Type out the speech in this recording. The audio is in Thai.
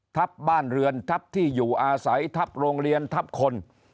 ทัพบ้านเรือนทัพที่อยู่อาศัยทัพโรงเรียนทัพคน